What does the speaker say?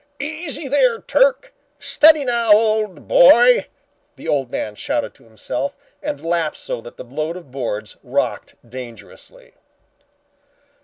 "Easy there, Turk! Steady now, old boy!" the old man shouted to himself, and laughed so that the load of boards rocked dangerously.